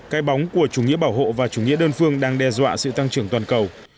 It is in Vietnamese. cái bóng của chủ nghĩa bảo hộ và chủ nghĩa đơn phương đang đe dọa sự tăng trưởng toàn cầu